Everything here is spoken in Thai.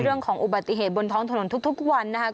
เรื่องของอุบัติเหตุบนท้องถนนทุกวันนะครับ